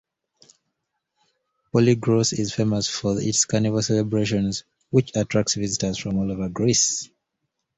Polygyros is famous for its carnival celebrations, which attracts visitors from all over Greece.